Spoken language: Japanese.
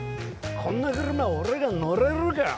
こんな車俺が乗れるか！